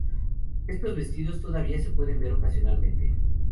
Estos vestidos todavía se pueden ver ocasionalmente.